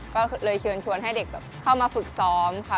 ก็เลยเชิญชวนให้เด็กเข้ามาฝึกซ้อมค่ะ